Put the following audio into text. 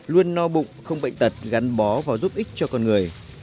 luôn no bụng không bệnh tật gắn bó và giúp ích cho con người